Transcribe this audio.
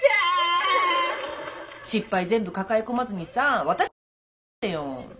失敗全部抱え込まずにさぁ私たちのこと頼ってよ。